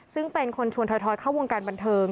ซึ่งเป็นคนชวนถอยเข้าวงการบันเทิง